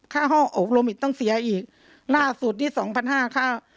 ห้องอกโลมิตต้องเสียอีกล่าสุดที่สองพันห้าค่า